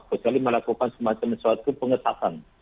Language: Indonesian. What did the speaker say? kecuali melakukan semacam suatu pengetatan